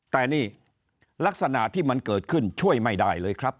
แต่นี่ลักษณะที่มันเกิดขึ้นช่วยไม่ได้เลยครับ